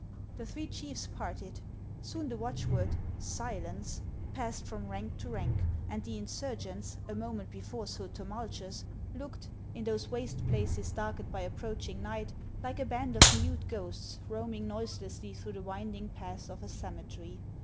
The three chiefs parted. Soon the watchword, " Silence !" passed from rank to rank, and the insurgents, a moment before so tumultuous, looked, in those waste places darkened by approaching night, like a baud of mute ghosts roaming noiselessly through the winding paths of a cemetery.